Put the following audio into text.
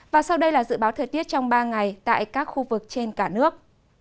và sau đây là dự báo thời tiết trong ba ngày tại các khu vực trên cả nước